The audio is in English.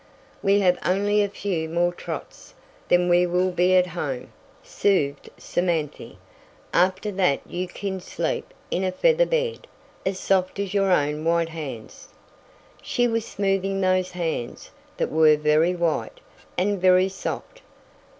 "We have only a few more trots, then we will be at home," soothed Samanthy. "After that you kin sleep in a feather bed as soft as your own white hands." She was smoothing those hands they were very white, and very soft.